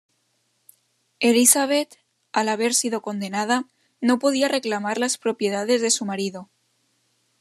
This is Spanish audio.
Elizabeth, al haber sido condenada, no podía reclamar las propiedades de su marido.